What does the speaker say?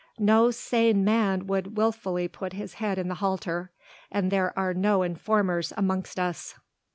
No sane man would wilfully put his head in the halter, and there are no informers amongst us."